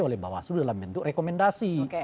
oleh bawah seluruh dalam bentuk rekomendasi